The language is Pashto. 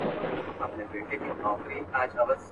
چي پښتانه په جبر نه، خو په رضا سمېږي..